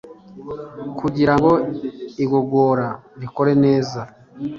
Kugira ngo igogora rikore neza